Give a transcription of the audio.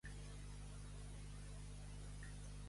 Estar mort per.